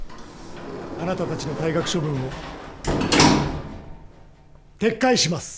あなたたちの退学処分を撤回します。